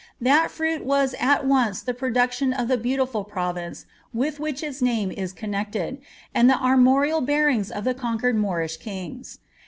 * That fruit was at once the production of the beautiful province with which its name is connected, ind the armorial bearings of the conquered Moorish kings.